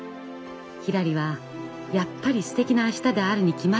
ひらりはやっぱりすてきな明日であるに決まっていると信じていました。